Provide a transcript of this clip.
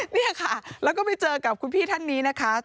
นี่ค่ะแล้วก็ไปเจอกับคุณพี่ท่านนี้นะคะ